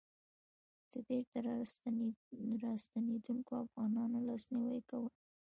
د بېرته راستنېدونکو افغانانو لاسنيوی کول.